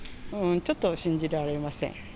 ちょっと信じられません。